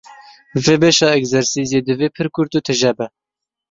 Vê beşa egzersizê divê pir kurt û tije be.